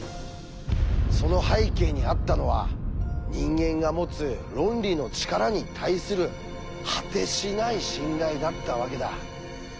その背景にあったのは人間が持つ論理の力に対する果てしない信頼だったわけだ。